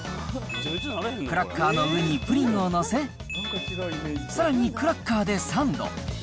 クラッカーの上にプリンを載せ、さらにクラッカーでサンド。